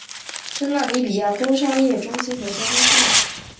是纳米比亚工商业中心和交通枢纽。